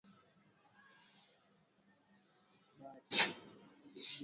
Hutokea katika misimu yote